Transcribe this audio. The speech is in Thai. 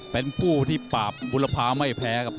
เป็นผู้ที่ปราบบุรพาไม่แพ้ครับ